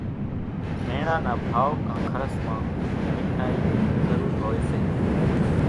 ميڻا نا ڀائو ڪان کرس مان مِٺائِي ضرور هوئيَ سي۔